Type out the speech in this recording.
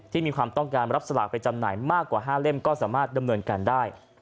มีความต้องการรับสลากไปจำหน่ายมากกว่า๕เล่มก็สามารถดำเนินการได้